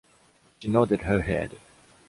She nodded her head.